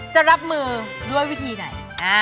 จะรับมือด้วยวิธีไหน